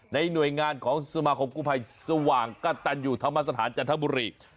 ในหน่วยงานของสมาคมภูมิภัยสว่างก็ตันอยู่ธรรมสถานจันทร์ธรรมบุรี